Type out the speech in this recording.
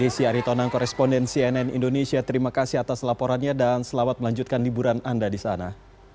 baik desy aritona koresponden cnn indonesia terima kasih atas laporannya dan selamat melanjutkan liburan anda disana